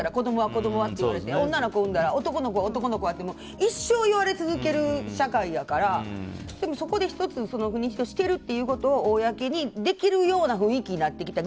子供は？って言われて女の子産んだら男の子は？って一生言われ続ける社会だからそこで、１つ不妊治療しているということを公にできるような雰囲気になってきた。